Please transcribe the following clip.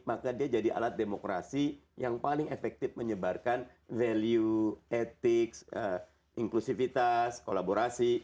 maka dia jadi alat demokrasi yang paling efektif menyebarkan value etik inklusivitas kolaborasi